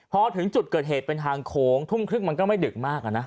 พอถึงจุดเกิดเหตุเป็นทางโค้งทุ่มครึ่งมันก็ไม่ดึกมาก